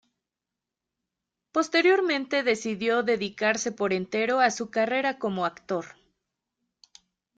Posteriormente decidió dedicarse por entero a su carrera como actor.